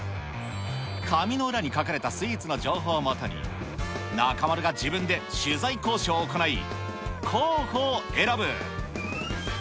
紙の裏に書かれたスイーツの情報を基に、中丸が自分で取材交渉を行い、候補を選ぶ。